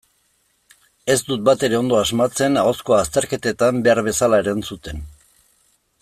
Ez dut batere ondo asmatzen ahozko azterketetan behar bezala erantzuten.